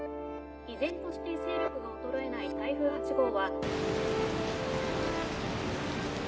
依然として勢力が衰えない台風８号は。